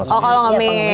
oh kalau ngemis